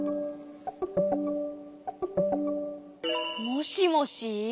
もしもし？